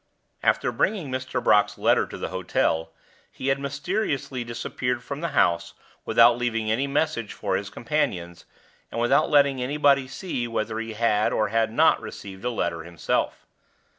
After bringing Mr. Brock's letter to the hotel, he had mysterious disappeared from the house without leaving any message for his companions, and without letting anybody see whether he had or had not received a letter himself.